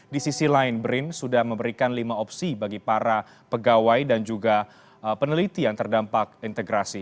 di sisi lain brin sudah memberikan lima opsi bagi para pegawai dan juga peneliti yang terdampak integrasi